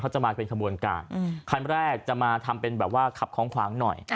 จะมาเป็นขบวนการคันแรกจะมาทำเป็นแบบว่าขับคล้องขวางหน่อย